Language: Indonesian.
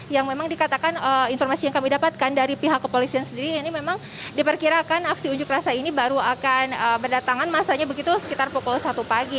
yang memang dikatakan informasi yang kami dapatkan dari pihak kepolisian sendiri ini memang diperkirakan aksi unjuk rasa ini baru akan berdatangan masanya begitu sekitar pukul satu pagi